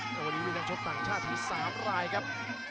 วันนี้มีทางชบต่างชาติที่๓รายครับ